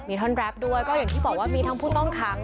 ท่อนแรปด้วยก็อย่างที่บอกว่ามีทั้งผู้ต้องขัง